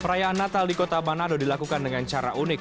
perayaan natal di kota manado dilakukan dengan cara unik